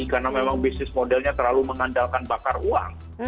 karena memang bisnis modelnya terlalu mengandalkan bakar uang